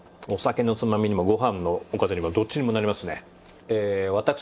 お酒のつまみにもご飯のおかずにもどっちにもなりますね。